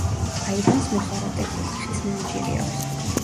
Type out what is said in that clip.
აივანს მოხარატებული, ხის მოაჯირი აქვს.